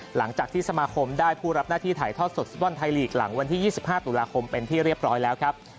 หลังจากที่สมาคมได้ผู้รับหน้าที่ถ่ายทอดสดฟุตบอลไทยลีกหลังวันที่๒๕ตุลาคมเป็นที่เรียบร้อยแล้วครับ